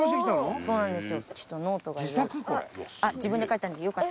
そうなんですよ。